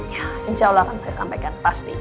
ya insya allah akan saya sampaikan pasti